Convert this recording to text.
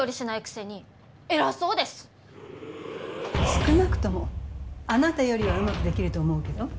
少なくともあなたよりはうまくできると思うけど。